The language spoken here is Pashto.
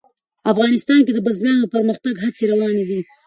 افغانستان کې د بزګانو د پرمختګ هڅې روانې دي.